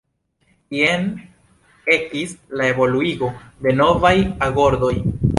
Jen ekis la evoluigo de novaj agordoj.